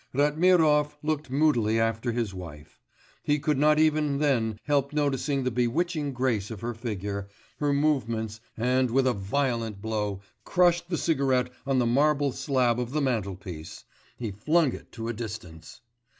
Ratmirov looked moodily after his wife; he could not even then help noticing the bewitching grace of her figure, her movements, and with a violent blow, crushing the cigarette on the marble slab of the mantelpiece, he flung it to a distance.